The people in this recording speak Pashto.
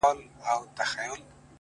• ته یې په مسجد او درمسال کي کړې بدل،